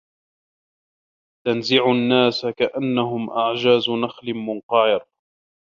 تَنزِعُ النّاسَ كَأَنَّهُم أَعجازُ نَخلٍ مُنقَعِرٍ